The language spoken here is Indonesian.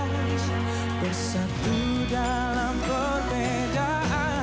bersatu dalam perbedaan